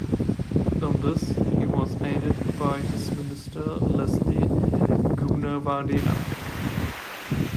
In this he was aided by his Minister, Leslie Goonawardena.